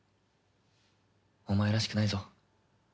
お前らしくないぞ。